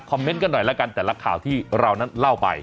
เมนต์กันหน่อยแล้วกันแต่ละข่าวที่เรานั้นเล่าไป